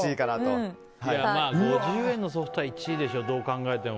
５０円のソフトは１位でしょどう考えても。